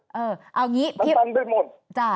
ใช่มันตันไปหมด